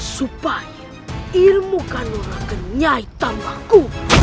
supaya ilmu kanuragan nyai tahu aku